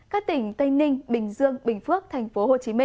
các tỉnh tây ninh bình dương bình phước tp hcm